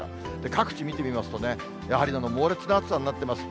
各地見てみますとね、やはり猛烈な暑さになってます。